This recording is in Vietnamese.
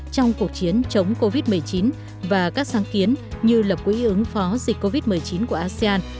trong cuộc chiến chống covid một mươi chín và các sáng kiến như lập quỹ ứng phó dịch covid một mươi chín của asean